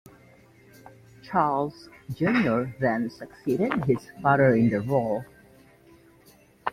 Charles Junior then succeeded his father in the role.